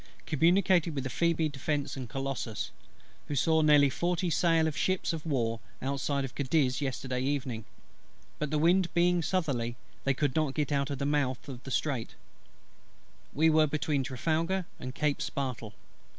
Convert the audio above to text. Communicated with Phoebe, Defence, and Colossus, who saw near forty sail of ships of war outside of Cadiz yesterday evening; but the wind being southerly, they could not get to the mouth of the Straits. We were between Trafalgar and Cape Spartel.